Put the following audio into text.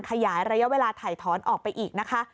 ขยายระยะเวลาถ่ายถอนออกไปอีกนะคะ